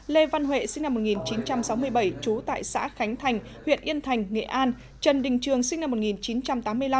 lê văn huệ sinh năm một nghìn chín trăm sáu mươi bảy trú tại xã khánh thành huyện yên thành nghệ an trần đình trường sinh năm một nghìn chín trăm tám mươi năm